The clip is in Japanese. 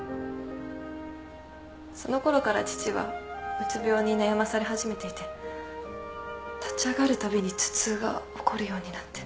そのころから父はうつ病に悩まされ始めていて立ち上がるたびに頭痛が起こるようになって。